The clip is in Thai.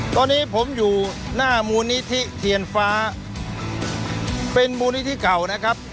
ตอนนี้ผมอยู่หน้ามูลนิธิเทียนฟ้าเป็นมูลนิธิเก่านะครับ